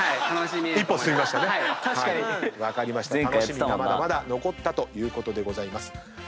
楽しみがまだまだ残ったということでございます。